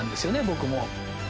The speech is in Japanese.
僕も。